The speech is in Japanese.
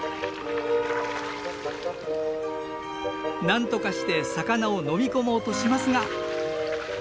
なんとかして魚を飲み込もうとしますが。